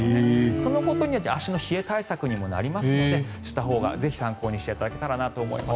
そのことによって足の冷え対策にもなりますのでしたほうがぜひ参考にしていただけたらと思います。